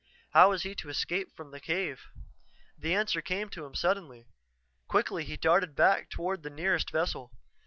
How was he to escape from the cave? The answer came to him suddenly. Quickly he darted back toward the nearest vessel.